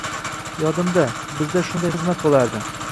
Yodimda, bizda shunday xizmat boʻlardi